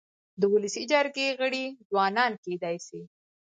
د ولسي جرګي غړي ځوانان کيدای سي.